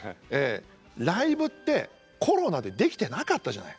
ライブってコロナでできてなかったじゃない。